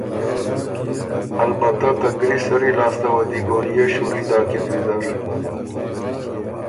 البته ته ګری سری لاسته وه دی ګولئے شُوري داکِن ویزر